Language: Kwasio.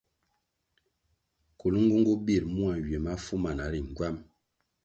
Kulnğunğu bir mua nywiè mafu mana ri ngywam.